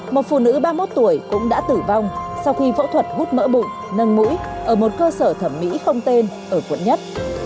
một phụ nữ ba mươi một tuổi cũng đã tử vong sau khi phẫu thuật hút mỡ bụng nâng mũi ở một cơ sở thẩm mỹ không tên ở quận một